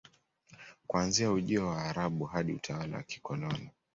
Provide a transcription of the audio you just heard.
Kuanzia ujio wa Waarabu hadi utawala wa kikoloni